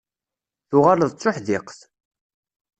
Tuɣaleḍ d tuḥdiqt.